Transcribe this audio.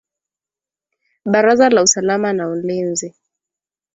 Baraza la usalama na ulinzi